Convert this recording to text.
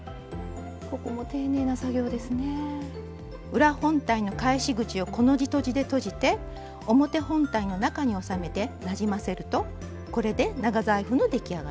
裏本体の返し口をコの字とじでとじて表本体の中に収めてなじませるとこれで長財布の出来上がりです。